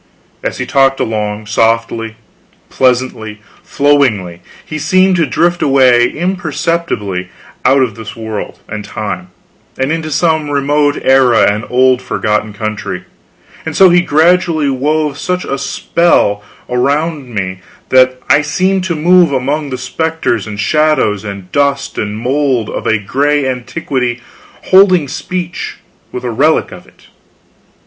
As he talked along, softly, pleasantly, flowingly, he seemed to drift away imperceptibly out of this world and time, and into some remote era and old forgotten country; and so he gradually wove such a spell about me that I seemed to move among the specters and shadows and dust and mold of a gray antiquity, holding speech with a relic of it!